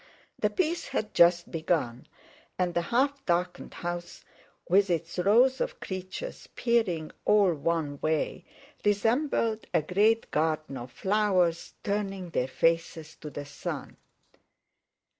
The piece had just begun, and the half darkened house, with its rows of creatures peering all one way, resembled a great garden of flowers turning their faces to the sun.